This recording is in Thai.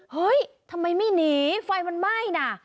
เฮ้ยทำไมไม่หนีไฟมันไหม้นะ